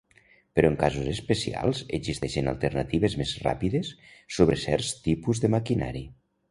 Però en casos especials, existeixen alternatives més ràpides sobre certs tipus de maquinari.